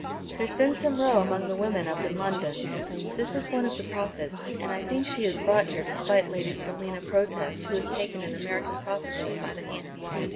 There's been some row among the women up in London. This is one of the prophets, and I think she is brought here to spite Lady Selina Protest who has taken an American prophetess by the hand.